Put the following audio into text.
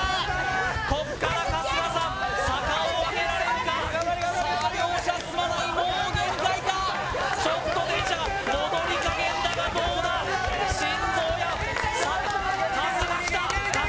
ここから春日さん坂を上げられるかさあ両者進まないもう限界かちょっと電車が上り加減だがどうだ心臓破り坂春日来た春日